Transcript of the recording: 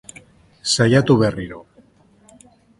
Saiatu berriro